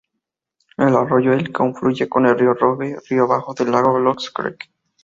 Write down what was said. El arroyo Elk confluye con el río Rogue río abajo del lago Lost Creek.